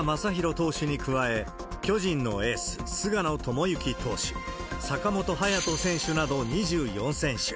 投手に加え、巨人のエース、菅野智之投手、坂本勇人選手など２４選手。